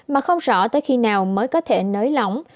mà không rõ tới khi nào mới có thể nới lỏng